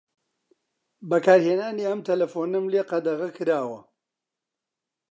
بەکارهێنانی ئەم تەلەفۆنەم لێ قەدەغە کراوە.